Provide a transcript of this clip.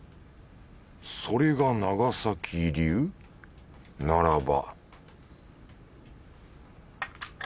それが長崎流？ならば